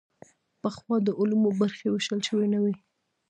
پخوا د علومو برخې ویشل شوې نه وې.